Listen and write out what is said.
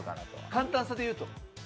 簡単さで言うと？